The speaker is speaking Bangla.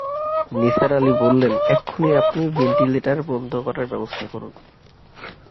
নিসার আলি বললেন, এক্ষুণি আপনি ভেন্টিলেটার বন্ধ করার ব্যবস্থা করুন।